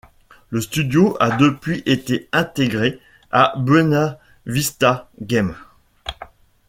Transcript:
Le studio a depuis été intégré à Buena Vista Games.